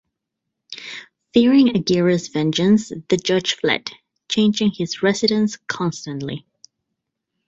Fearing Aguirre's vengeance, the judge fled, changing his residence constantly.